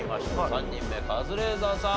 ３人目カズレーザーさん